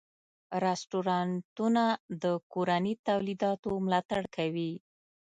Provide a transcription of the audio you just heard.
رستورانتونه د کورني تولیداتو ملاتړ کوي.